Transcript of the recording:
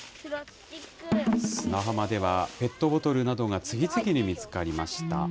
砂浜では、ペットボトルなどが次々に見つかりました。